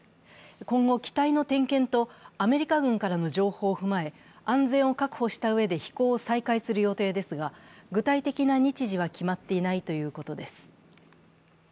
今後、機体の点検とアメリカ軍からの情報を踏まえ安全を確保したうえで飛行を再開する予定ですが具体的な日時は決まっていないということです。